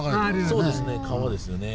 そうですね川ですよね。